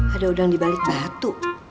ada udang dibalik batu